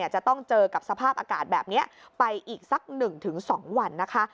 จะต้องเจอกับสภาพอากาศแบบนี้ไปอีกสัก๑๒วันนะคะ